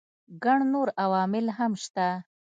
ګڼ نور عوامل هم شته.